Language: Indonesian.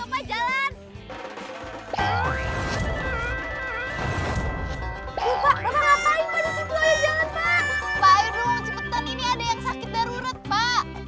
captain ini ada yang sakit darurat pak